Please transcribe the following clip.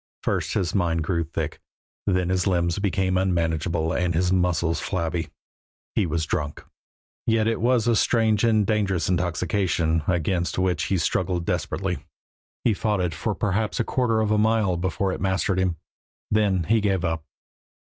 First his mind grew thick, then his limbs became unmanageable and his muscles flabby. He was drunk. Yet it was a strange and dangerous intoxication, against which he struggled desperately. He fought it for perhaps a quarter of a mile before it mastered him; then he gave up.